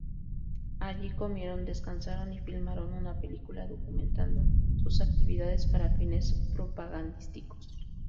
Allí comieron, descansaron y filmaron una película documentando sus actividades para fines propagandísticos.